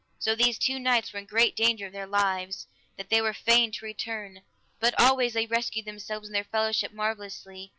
So these two knights were in great danger of their lives that they were fain to return, but always they rescued themselves and their fellowship marvellously.